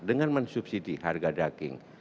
dengan mensubsidi harga daging